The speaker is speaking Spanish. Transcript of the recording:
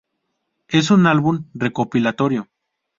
Es un álbum recopilatorio.